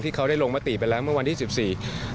ที่เขาได้ลงมาตีไปแล้วเมื่อวันที่๑๔